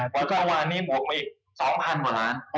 เพราะว่านี้โบบอีก๒พลาด